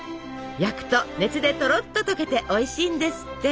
焼くと熱でとろっと溶けておいしいんですって。